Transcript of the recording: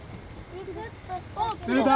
釣れた！